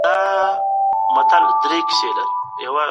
تاسو د مینې احساس کوئ کله چې څوک ستاسو لپاره کارونه کوي.